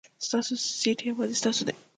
ستاسو سېټ یوازې ستاسو دی.